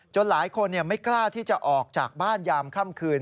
หลายคนไม่กล้าที่จะออกจากบ้านยามค่ำคืน